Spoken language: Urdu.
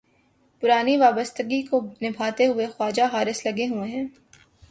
پرانی وابستگی کو نبھاتے ہوئے خواجہ حارث لگے ہوئے ہیں۔